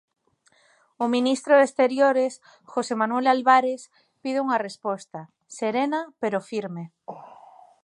O ministro de Exteriores, José Manuel Albares, pide unha resposta "serena pero firme".